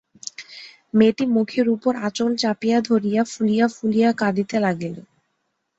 মেয়েটি মুখের উপর আঁচল চাপিয়া ধরিয়া ফুলিয়া ফুলিয়া কাঁদিতে লাগিল।